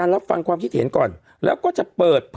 รับฟังความคิดเห็นก่อนแล้วก็จะเปิดเผย